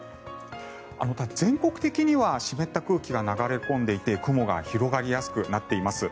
全国的には湿った空気が流れ込んでいて雲が広がりやすくなっています。